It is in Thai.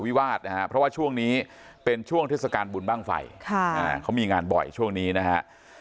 วิวาสนะฮะเพราะว่าช่วงนี้เป็นช่วงเทศกาลบุญบ้างไฟเขามีงานบ่อยช่วงนี้นะฮะ